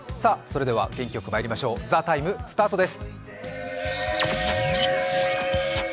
元気よくまいりましょう、「ＴＨＥＴＩＭＥ，」スタートです。